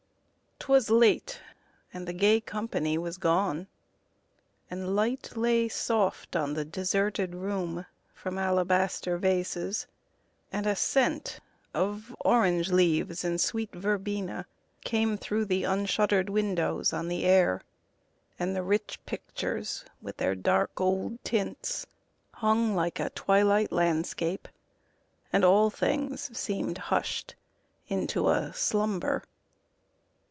'Twas late, and the gay company was gone, And light lay soft on the deserted room From alabaster vases, and a scent Of orange leaves, and sweet verbena came Through the unshutter'd window on the air, And the rich pictures with their dark old tints Hung like a twilight landscape, and all things Seem'd hush'd into a slumber.